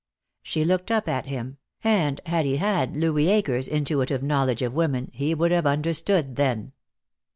She looked up at him, and had he had Louis Akers' intuitive knowledge of women he would have understood then.